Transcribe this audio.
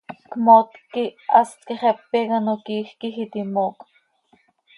Cmootc quih hast quih xepe quih ano quiij quij iti moocp.